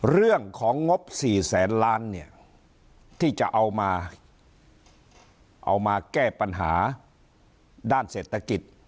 เรื่องของงบ๔แสนล้านเนี่ยที่จะเอามาเอามาแก้ปัญหาด้านเศรษฐกิจ